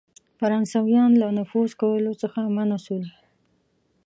فرانسیویان له نفوذ کولو څخه منع سول.